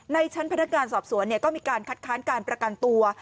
ชั้นพนักงานสอบสวนก็มีการคัดค้านการประกันตัว